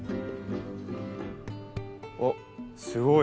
おっすごい。